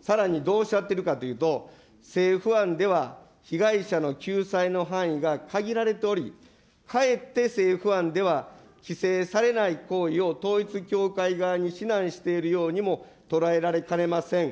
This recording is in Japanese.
さらに、どうおっしゃってるかというと、政府案では、被害者の救済の範囲が限られており、かえって政府案では、規制されない行為を統一教会側に指南しているようにも捉えられかねません。